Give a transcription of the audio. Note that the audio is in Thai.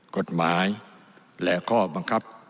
กฎหมายและข้อบังคับ